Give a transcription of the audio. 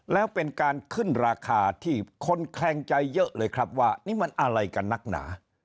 แล้วเป็นการขึ้นราคาที่คนแคลงใจเยอะเลยครับว่านี่มันอะไรกันนักหนา